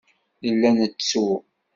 Nella nettu.